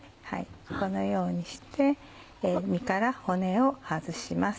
このようにして身から骨を外します。